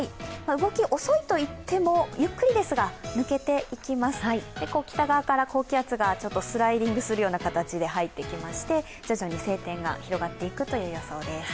動き遅いといってもゆっくりと抜けていきます、北側から高気圧がスライディングするような形で入ってきまして徐々に晴天が広がっていく予想です。